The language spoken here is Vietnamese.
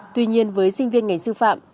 tuy nhiên với sinh viên ngành sư phạm